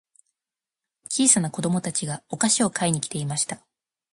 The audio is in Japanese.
小さな子供たちがお菓子を買いに来ていました。